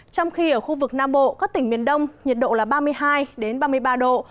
trong khi ở khu vực nam bộ các tỉnh miền đông nhiệt độ là ba mươi hai ba mươi ba độ